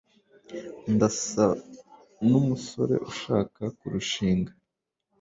Ndasa numusore ushaka kurushinga?